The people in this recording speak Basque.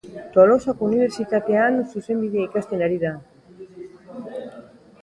Tolosako Unibertsitatean zuzenbidea ikasten ari da.